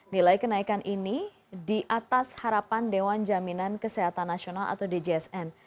nilai kenaikan ini di atas harapan dewan jaminan kesehatan nasional atau djsn